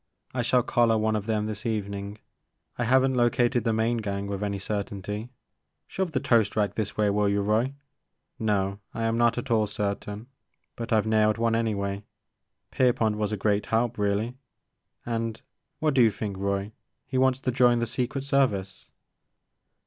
I shall collar one of them this evening. I have n't located the main gang with any cer tainty, — shove the toast rack this way will you, Roy, — no, I am not at all certain, but I 've nailed one anyway. Pierpont was a great help, really, — and, what do you think, Roy ? He wants to join the Secret Service